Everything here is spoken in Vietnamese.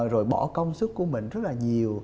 rồi bỏ công sức của mình rất là nhiều